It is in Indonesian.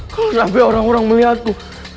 kalau nanti orang orang melihatku